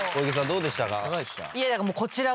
どうでしたか？